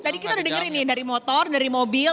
tadi kita sudah dengar ini dari motor dari mobil